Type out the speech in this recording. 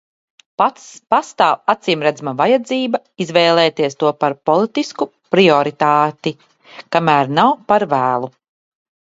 Pastāv acīmredzama vajadzība izvēlēties to par politisku prioritāti, kamēr nav par vēlu.